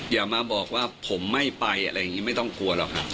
อย่ามาบอกว่าผมไม่ไปอะไรอย่างนี้ไม่ต้องกลัวหรอกครับ